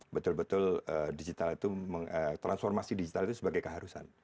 betul betul digital itu transformasi digital itu sebagai keharusan